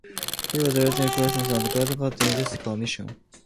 He was latterly Chairman of the Uganda Cotton Industry Commission.